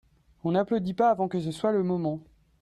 on n'applaudit pas avant que ce soit le moment.